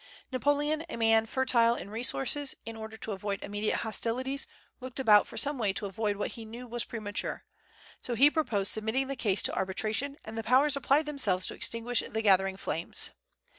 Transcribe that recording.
Napoleon, a man fertile in resources, in order to avoid immediate hostilities looked about for some way to avoid what he knew was premature; so he proposed submitting the case to arbitration, and the Powers applied themselves to extinguish the gathering flames.